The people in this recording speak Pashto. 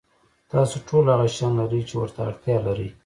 تاسو ټول هغه شیان لرئ چې ورته اړتیا لرئ.